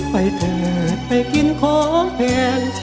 ไปเถิดไปกินของแผน